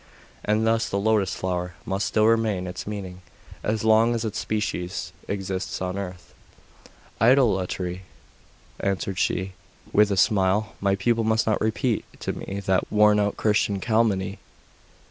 And thus the lotus flower must still retain its meaning, as long as its species exists on earth.' 'Idolatry!' answered she, with a smile. 'My pupil must not repeat to me that worn out Christian calumny.